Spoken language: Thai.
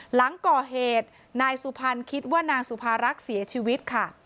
หลังก่อเหตุนายสุพรรณคิดว่านางสุภารักษ์เสียชีวิตค่ะ